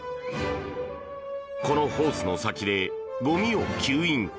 このホースの先でゴミを吸引。